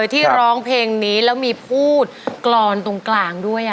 ที่ร้องเพลงนี้และมีการพูดกรอนกลางด้วย